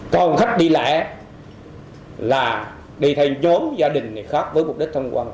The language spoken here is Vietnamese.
còn khách đi lẻ là đi theo nhóm gia đình khác với mục đích thông quan